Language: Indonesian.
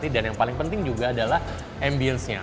dan yang paling penting juga adalah ambience nya